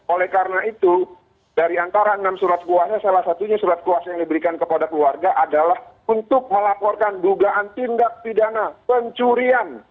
oleh karena itu dari antara enam surat kuasa salah satunya surat kuasa yang diberikan kepada keluarga adalah untuk melaporkan dugaan tindak pidana pencurian